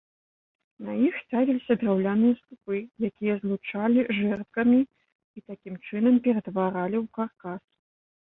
На іх ставіліся драўляныя слупы, якія злучалі жэрдкамі і такім чынам ператваралі ў каркас.